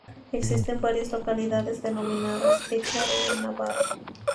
Existen varias localidades denominadas Echarri en Navarra.